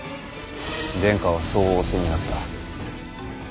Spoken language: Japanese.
殿下はそう仰せになった。